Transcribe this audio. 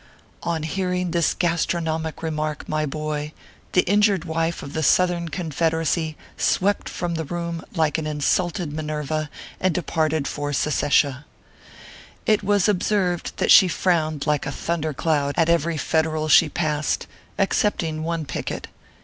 On hearing this gastronomic remark, my boy, the injured wife of the Southern Confederacy swept from the room like an insulted Minerva, and departed for Secessia. It was observed that she frowned like a thunder cloud at every Federal she passed, excepting one picket.